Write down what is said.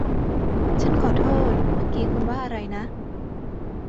ฉันขอโทษ เมื่อกี้คุณว่าอะไรนะ